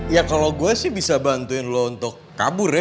ya kalau gue sih bisa bantuin lo untuk kabur ya